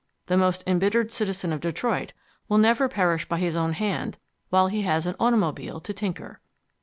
The most embittered citizen of Detroit will never perish by his own hand while he has an automobile to tinker.